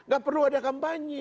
gak perlu ada kampanye